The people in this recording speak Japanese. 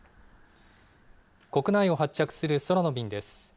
国内を発着する空の便です。